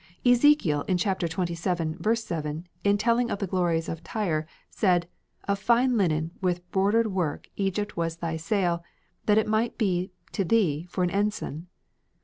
Ezekiel in chapter twenty seven, verse seven, in telling of the glories of Tyre, says: "Of fine linen with broidered work Egypt was thy sail, that it might be to thee for an ensign."